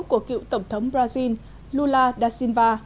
của cựu tổng thống brazil lula da silva